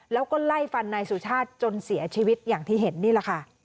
แล้วก็ไล่ฟันนายสุชาติจนเสียชีวิตอย่างที่เห็นนี่แหละค่ะ